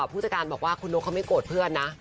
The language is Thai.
ผู้จัดการบอกว่าคุณนกเขาไม่โกรธเพื่อนนะ